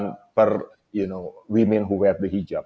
untuk perempuan yang memakai hijab